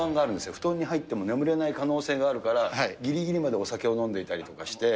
布団に入っても眠れない可能性があるから、ぎりぎりまでお酒を飲んでいたりとかして。